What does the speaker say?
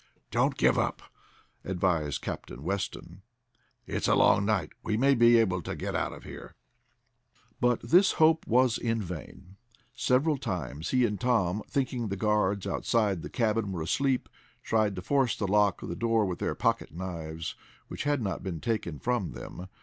"Don't give up," advised Captain Weston. "It's a long night. We may be able to get out of here." But this hope was in vain. Several times he and Tom, thinking the guards outside the cabin were asleep, tried to force the lock of the door with their pocket knives, which had not been taken from them.